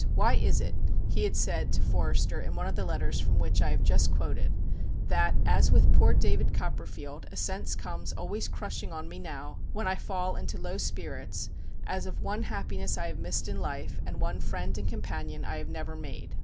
"Why is it," he had said to Forster in one of the letters from which I have just quoted, "that, as with poor David (Copperfield), a sense comes always crushing on me now, when I fall into low spirits, as of one happiness I have missed in life, and one friend and companion I have never made?"